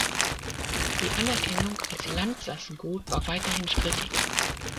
Die Anerkennung als Landsassengut war weiterhin strittig.